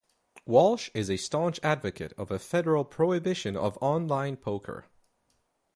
Walsh is a staunch advocate of a federal prohibition of online poker.